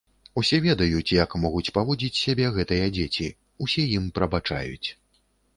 Усе ведаюць, як могуць паводзіць сябе гэтыя дзеці, усе ім прабачаюць.